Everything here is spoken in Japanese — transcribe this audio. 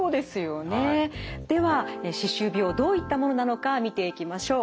では歯周病どういったものなのか見ていきましょう。